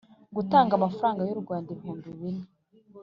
gutanga amafaranga y u Rwanda ibihumbi bine